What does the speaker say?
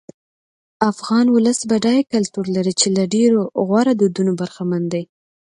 افغان ولس بډای کلتور لري چې له ډېرو غوره دودونو برخمن دی.